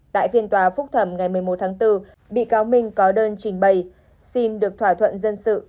tại phiên tòa phúc thẩm ngày một mươi một tháng bốn bị cáo minh có đơn trình bày xin được thỏa thuận dân sự